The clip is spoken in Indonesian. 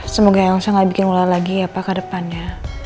semoga elsa gak bikin ular lagi ya pak ke depannya